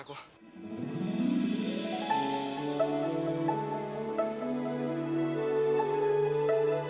aku mau tesc arab